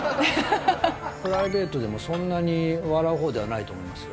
プライベートでもそんなに笑うほうではないと思いますよ。